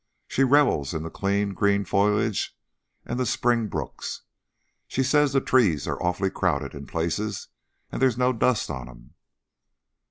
She revels in the clean, green foliage and the spring brooks. She says the trees are awful crowded in places and there's no dust on them."